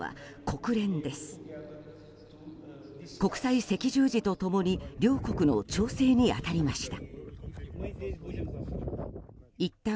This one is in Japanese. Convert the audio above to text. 国際赤十字と共に両国の調整に当たりました。